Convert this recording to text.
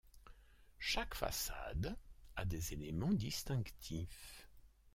Chaque façade a des éléments distinctifs.